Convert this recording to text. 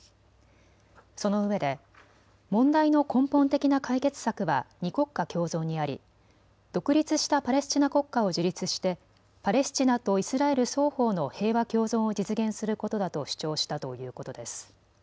そのうえで問題の根本的な解決策は２国家共存にあり独立したパレスチナ国家を樹立してパレスチナとイスラエル双方の平和共存を実現することだと主張したということです。